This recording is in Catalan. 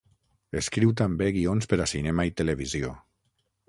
Escriu també guions per a cinema i televisió.